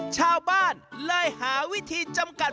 ชาวบ้านเลยหาวิธีจำกัด